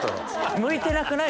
向いてなくない？